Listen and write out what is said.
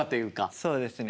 そうですね。